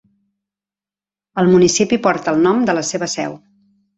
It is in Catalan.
El municipi porta el nom de la seva seu.